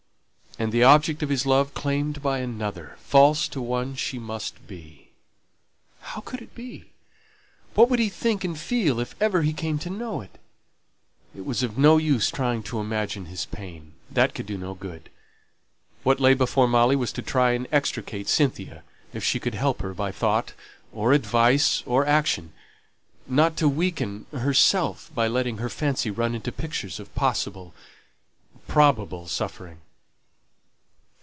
and the object of his love claimed by another false to one she must be! How could it be? What would he think and feel if ever he came to know it? It was of no use trying to imagine his pain that could do no good. What lay before Molly was, to try and extricate Cynthia, if she could help her by thought, or advice, or action; not to weaken herself by letting her fancy run into pictures of possible, probable suffering.